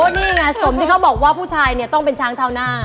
นี่ไงสมที่เขาบอกว่าผู้ชายเนี่ยต้องเป็นช้างเท้าหน้า